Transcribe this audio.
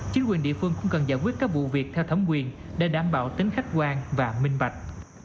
chính quyền địa phương cũng cần giải quyết các vụ việc theo thẩm quyền để đảm bảo tính khách quan và minh bạch